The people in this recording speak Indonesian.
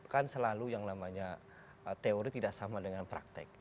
kan selalu yang namanya teori tidak sama dengan praktek